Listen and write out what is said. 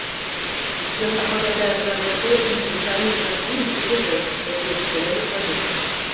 Ён апавядае пра рэдкія і незвычайных расліны і жывёл, якія засялялі планету.